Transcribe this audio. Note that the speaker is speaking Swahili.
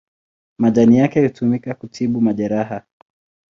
Majani yake hutumika kutibu majeraha.